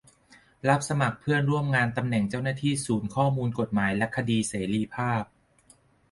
รับสมัครเพื่อนร่วมงานตำแหน่งเจ้าหน้าที่ศูนย์ข้อมูลกฎหมายและคดีเสรีภาพ